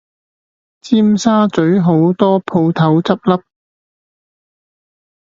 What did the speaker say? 尖沙咀好多舖頭執笠